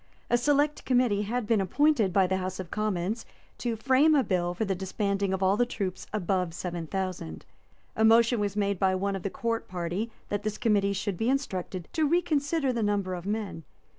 A select Committee had been appointed by the House of Commons to frame a bill for the disbanding of all the troops above seven thousand. A motion was made by one of the Court party that this Committee should be instructed to reconsider the number of men.